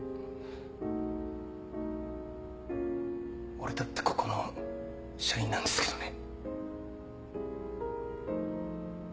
俺だってここの社員なんですけどね。